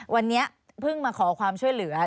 วันนี้เพิ่งมาขอความช่วยเหลือ